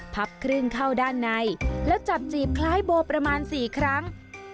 พับครึ่งเข้าด้านในแล้วจับจีบคล้ายโบประมาณ๔ครั้ง